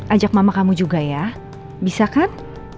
ajak mama kamu juga ya bisa kan